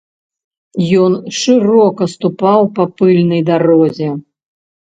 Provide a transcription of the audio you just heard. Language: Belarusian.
Ён шырока ступаў па пыльнай дарозе.